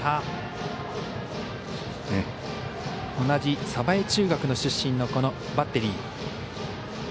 同じ鯖江中学の出身のバッテリー。